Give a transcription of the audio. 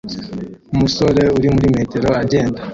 Umusore uri muri metero agenda